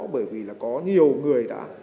bởi vì là có nhiều người đã